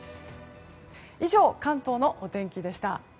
以上、関東のお天気でした。